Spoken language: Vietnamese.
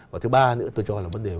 và thứ ba nữa tôi cho là vấn đề